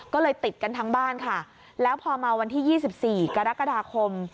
ก็เลยติดกันทั้งบ้านค่ะแล้วพอมาวันที่๒๔กรกฎาคม